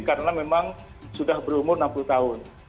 karena memang sudah berumur enam puluh tahun